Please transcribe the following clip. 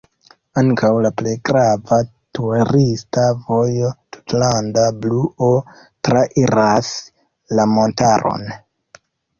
Ankaŭ la plej grava turista vojo „tutlanda bluo” trairas la montaron.